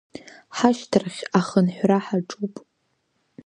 Ҳашьҭрахь ахынҳәра ҳаҿуп!